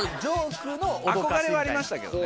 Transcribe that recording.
憧れはありましたけどね。